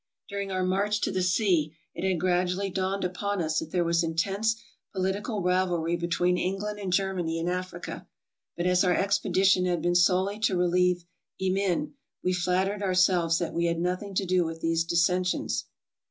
During our march to the sea, it had gradually dawned upon us that there was intense political rivalry between Eng land and Germany in Africa. But as our expedition had been solely to relieve Emin, we flattered ourselves that we had nothing to do with these dissensions.